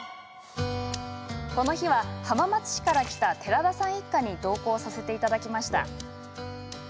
この日は、浜松市から来た寺田さん一家に同行させていただきました。